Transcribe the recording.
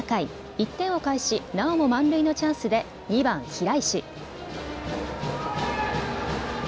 １点を返し、なおも満塁のチャンスで２番・平石。